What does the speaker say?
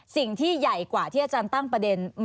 สิ่งที่ใหญ่กว่าที่อาจารย์ตั้งประเด็น